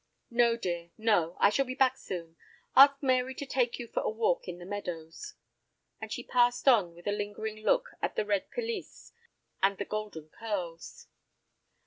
"No, dear, no. I shall be back soon. Ask Mary to take you for a walk in the meadows," and she passed on with a lingering look at the red pelisse and the golden curls.